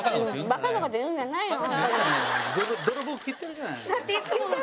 バカなこと言うんじゃないよ。